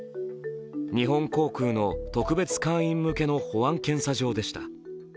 日本航空の特別会員向けの保安検査場でした。